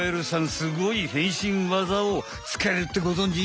スゴい変身技を使えるってごぞんじ？